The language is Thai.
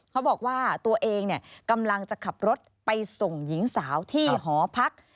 เขาบอกว่าตัวเองกำลังจะขับรถไปส่งหญิงสาวที่หอพัก